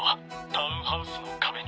タウンハウスの壁に。